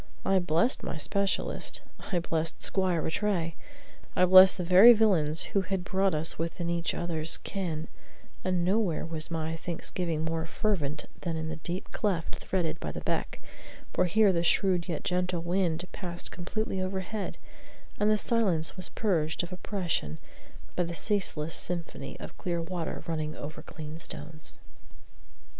I blessed my specialist, I blessed Squire Rattray, I blessed the very villains who had brought us within each other's ken; and nowhere was my thanksgiving more fervent than in the deep cleft threaded by the beck; for here the shrewd yet gentle wind passed completely overhead, and the silence was purged of oppression by the ceaseless symphony of clear water running over clean stones.